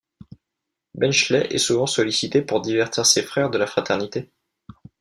Benchley est souvent sollicité pour divertir ses frères de la fraternité.